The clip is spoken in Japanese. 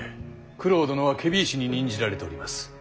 九郎殿は検非違使に任じられております。